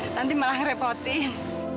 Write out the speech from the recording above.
nanti malah ngerepotin